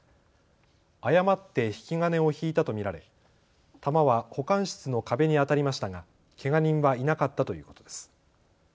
誤って引き金を引いたと見られ弾は保管室の壁に当たりましたがけが人はいなかったということです。